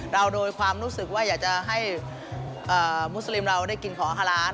โดยความรู้สึกว่าอยากจะให้มุสลิมเราได้กินของ๕ล้าน